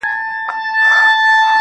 داده غاړي تعويزونه زما بدن خوري,